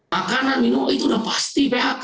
makanan minuman itu sudah pasti phk